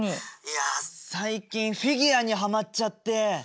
いや最近フィギュアにハマっちゃって。